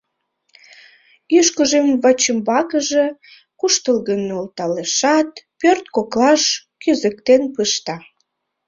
Ӱшкыжым вачӱмбакыже куштылгын нӧлталешат, пӧрт коклаш кӱзыктен пышта.